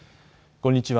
こんにちは。